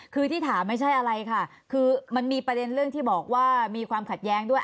คือที่ถามไม่ใช่อะไรค่ะคือมันมีประเด็นเรื่องที่บอกว่ามีความขัดแย้งด้วย